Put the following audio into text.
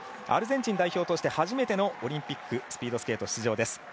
アルゼンチン代表として初めてのオリンピックスピードスケート出場です。